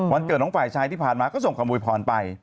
วันเกิดของฝ่ายชายที่ผ่านมาก็ส่งความบุญพรณ์ไป